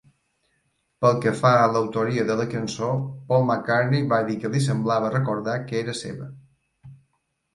Pel que fa a l'autoria de la cançó, Paul McCartney va dir que li semblava recordar que era seva.